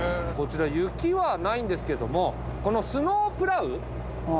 こちら雪はないんですけどもこのスノープラウ。